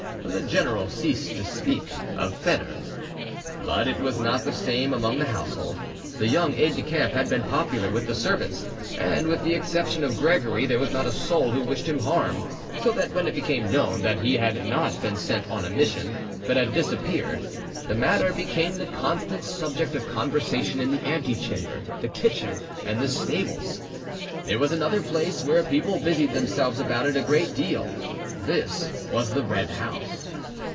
The general ceased to speak, of Foedor. But it was not the same among the household. The young aide de camp had been popular with the servants, and, with the exception of Gregory, there was not a soul who wished him harm, so that, when it became known that he had not been sent on a mission, but had disappeared, the matter became the constant subject of conversation in the antechamber, the kitchen, and the stables. There was another place where people busied themselves about it a great deal—this was the Red House.